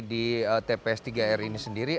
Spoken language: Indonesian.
di tps tiga r ini sendiri